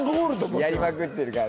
やりまくってるから。